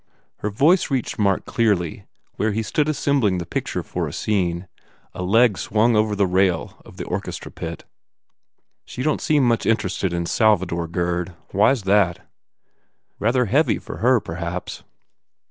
Her voice reached Mark clearly where he stood assembling the picture for a scene, a leg swung over the rail of the orchestra pit. "She don t seem so much interested in Sal vador, Gurd. Why s that?" "Rather heavy for her, perhaps."